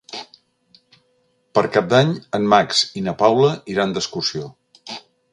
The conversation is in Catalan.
Per Cap d'Any en Max i na Paula iran d'excursió.